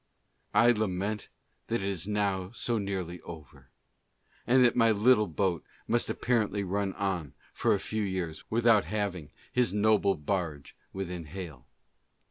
I lament that it is now so nearly over, and that my "little boat must apparently run on for a few years without having his noble barge within hail.